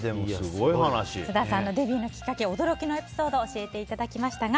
津田さんのデビューのきっかけ驚きのエピソード教えていただきましたが